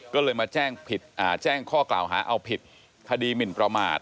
ก็เลยมาแจ้งข้อกล่าวหาเอาผิดคดีหมินประมาท